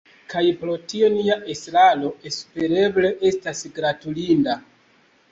Kaj pro tio nia estraro espereble estas gratulinda.